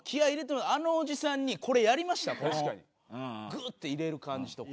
グッて入れる感じとか。